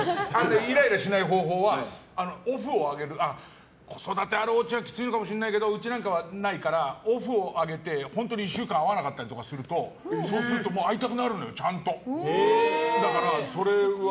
イライラしない方法は子育てのあるおうちはきついかもしれないけどうちはないからオフをあげて１週間会わなかったりするとそうすると会いたくなるのよちゃんと。